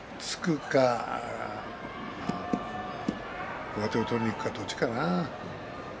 琴勝峰が突くか上手を取りにいくかどっちかだね。